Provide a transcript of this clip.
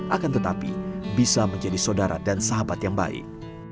akan tetapi bisa menjadi saudara dan sahabat yang baik